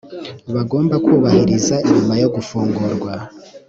bagomba kubahiriza nyuma yo gufungurwa